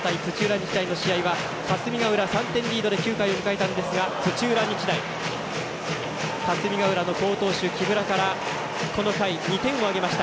日大の試合は霞ヶ浦、３点リードで９回を迎えたんですが土浦日大霞ヶ浦の好投手、木村からこの回、２点を挙げました。